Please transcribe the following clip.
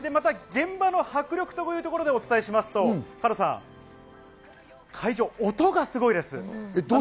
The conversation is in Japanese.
現場の迫力というところでお伝えしますと、会場、音がすごいです。